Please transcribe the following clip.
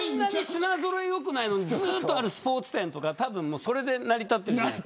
品ぞろえよくないのにずっとあるスポーツ店がそれで成り立ってる。